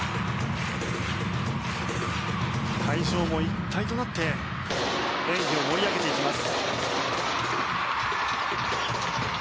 会場も一体となって演技を盛り上げていきます。